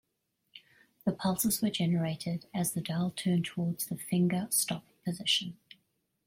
The pulses were generated as the dial turned toward the finger stop position.